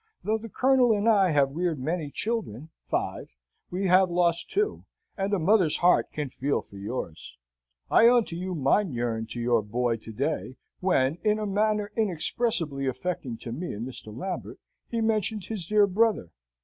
Though the Colonel and I have reared many children (five), we have lost two, and a mother's heart can feel for yours! I own to you, mine yearned to your boy to day, when (in a manner inexpressibly affecting to me and Mr. Lambert) he mentioned his dear brother.